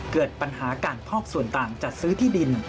เกิดปัญหาการพอกส่วนต่างจัดซื้อที่ดิน